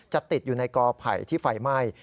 ติดอยู่ในกอไผ่ที่ไฟไหม้